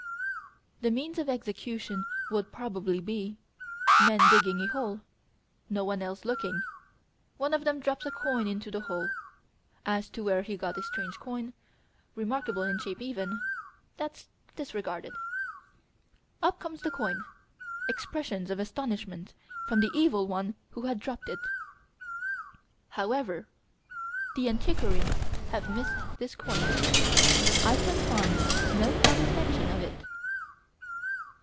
The means of exclusion would probably be men digging a hole no one else looking: one of them drops a coin into the hole as to where he got a strange coin, remarkable in shape even that's disregarded. Up comes the coin expressions of astonishment from the evil one who had dropped it. However, the antiquarians have missed this coin. I can find no other mention of it.